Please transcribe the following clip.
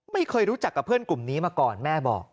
ไม่เคยรู้จักกับเพื่อนกลุ่มนี้มาก่อนแม่บอก